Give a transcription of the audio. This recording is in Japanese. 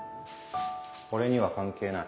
俺には関係ない。